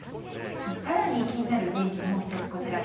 更に、気になる人事がもう１つ。